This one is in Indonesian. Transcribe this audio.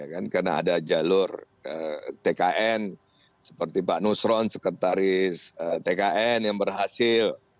karena ada jalur tkn seperti pak nusron sekretaris tkn yang berhasil